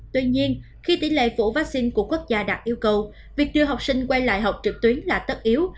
tuy nhiên khi tỷ lệ phổ vaccine của quốc gia đạt yêu cầu việc đưa học sinh quay lại học trực tuyến là tất yếu